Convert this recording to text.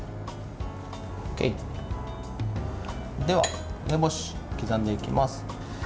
では、梅干し刻んでいきます。